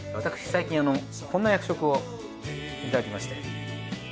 最近こんな役職をいただきまして。